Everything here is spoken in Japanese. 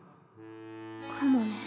かもね。